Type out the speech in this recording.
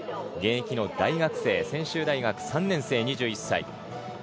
現役の大学生専修大学３年生、２１歳。